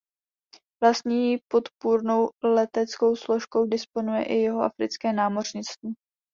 Vlastní podpůrnou leteckou složkou disponuje i Jihoafrické námořnictvo.